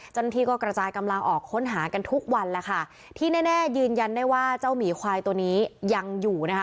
เจ้าหน้าที่ก็กระจายกำลังออกค้นหากันทุกวันแล้วค่ะที่แน่แน่ยืนยันได้ว่าเจ้าหมีควายตัวนี้ยังอยู่นะคะ